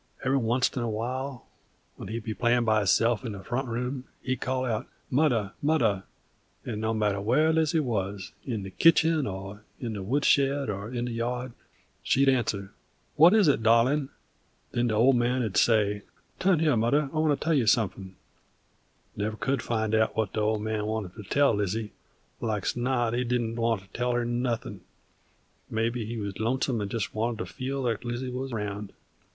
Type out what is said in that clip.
Every oncet in a while, when he'd be playin' by hisself in the front room, he'd call out, "Mudder, mudder;" and no matter where Lizzie wuz, in the kitchen, or in the wood shed, or in the yard, she'd answer: "What is it, darlin'?" Then the Old Man 'u'd say: "Turn here, mudder, I wanter tell you sumfin'." Never could find out what the Old Man wanted to tell Lizzie; like 's not he didn't wanter tell her nothin'; maybe he wuz lonesome 'nd jest wanted to feel that Lizzie wuz round.